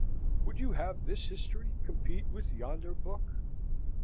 Would you have this history compete with yonder book?